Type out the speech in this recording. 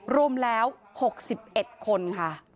รวมแล้ว๖๑คนค่ะ